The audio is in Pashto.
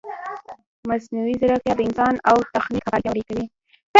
مصنوعي ځیرکتیا د انسان او تخنیک همکاري پیاوړې کوي.